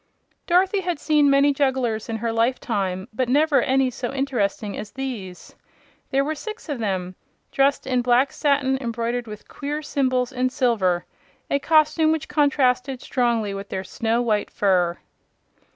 Dorothy had seen many jugglers in her lifetime, but never any so interesting as these. There were six of them, dressed in black satin embroidered with queer symbols in silver a costume which contrasted strongly with their snow white fur.